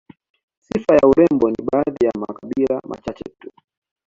Sifa ya urembo ni baadhi ya makabila machache tu